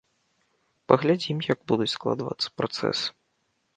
Паглядзім, як будуць складвацца працэсы.